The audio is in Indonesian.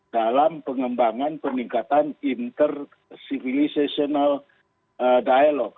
dalam pengembangan peningkatan inter civilizational dialog